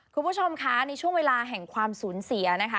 คุณผู้ชมคะในช่วงเวลาแห่งความสูญเสียนะคะ